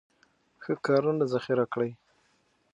ښه کارونه ذخیره کړئ.